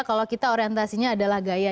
kalau kita orientasinya adalah gaya